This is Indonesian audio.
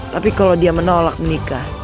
tapi kalau dia menolak menikah